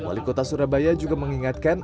wali kota surabaya juga mengingatkan